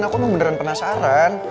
aku emang beneran penasaran